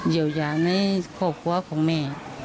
เดี่ยวอย่างในครัวครัวของแม่